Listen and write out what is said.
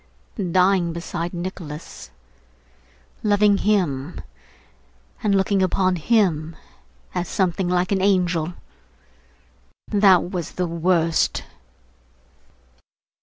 Dying beside Nicholas, loving him, and looking upon him as something like an angel. That was the worst!